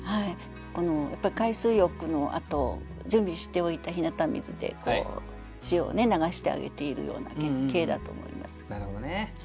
海水浴のあと準備しておいた日向水で塩を流してあげているような景だと思います。